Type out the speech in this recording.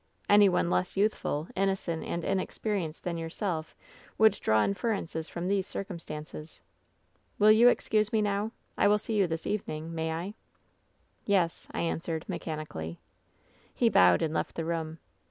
Any one less youthful, innocent and in experienced than yourself would draw inferences from these circumstances. Will you excuse me now ? I will see you this evening. May I V " 'Yes,' I answered, mechanically. "He bowed and left the room.